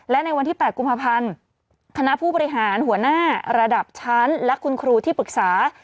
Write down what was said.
และในวันที่๘กุมภาพันธ์คณะผู้บริหารหัวหน้าระดับชั้นและคุณครูที่ปรึกษา